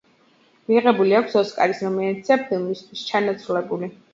მიღებული აქვს ოსკარის ნომინაცია ფილმისთვის „ჩანაცვლებული“.